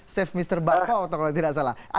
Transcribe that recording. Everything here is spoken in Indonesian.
save mr bakpao kalau tidak salah